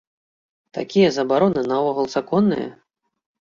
Такія забароны наогул законныя?